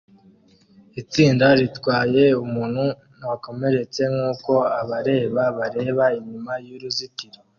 Itsinda ritwaye umuntu wakomeretse nkuko abareba bareba inyuma y'uruzitiro